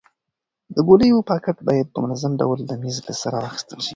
د ګولیو پاکټ باید په منظم ډول د میز له سره واخیستل شي.